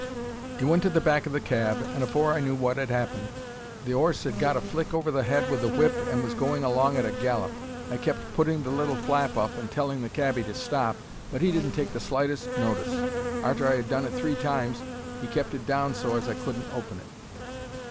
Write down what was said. He went to the back o' the cab, and afore I knew wot had 'appened the 'orse had got a flick over the head with the whip and was going along at a gallop. I kept putting the little flap up and telling the cabby to stop, but he didn't take the slightest notice. Arter I'd done it three times he kept it down so as I couldn't open it.